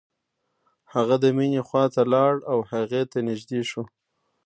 هغه د مينې خواته لاړ او هغې ته نږدې شو.